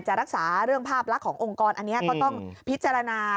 จะรักษาเรื่องภาพลักษณ์ขององค์กรอันนี้ก็ต้องพิจารณา